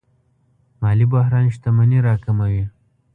مالي بحران شتمني راکموي.